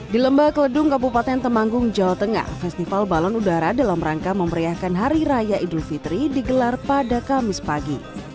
di lembah keledung kabupaten temanggung jawa tengah festival balon udara dalam rangka memeriahkan hari raya idul fitri digelar pada kamis pagi